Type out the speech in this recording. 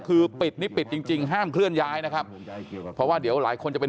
คือปิดนี่ปิดจริงจริงห้ามเคลื่อนย้ายนะครับเพราะว่าเดี๋ยวหลายคนจะเป็น